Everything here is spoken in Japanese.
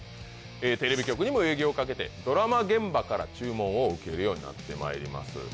テレビ局にも営業をかけてドラマ現場から注文を受けるようになってまいります